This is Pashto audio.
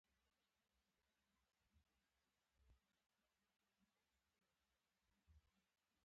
افریقایي متل وایي د کمزوري وژل اتلولي نه ده.